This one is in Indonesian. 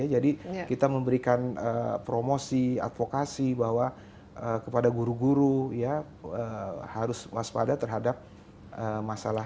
jadi kita memberikan promosi advokasi bahwa kepada guru guru harus waspada terhadap masalah